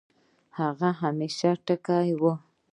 هغه همېشه ټکے وۀ